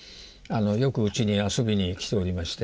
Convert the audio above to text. よくうちに遊びに来ておりまして。